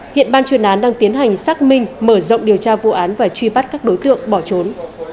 hiện ban chuyên án đang tiến hành xác minh mở rộng điều tra vụ án và truy bắt các đối tượng bỏ trốn